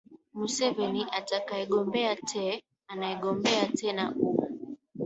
museveni atakaegombea te anayegombea tena u